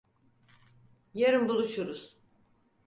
Yarın buluşuruz.